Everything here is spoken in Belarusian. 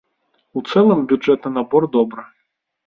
У цэлым бюджэтны набор добры.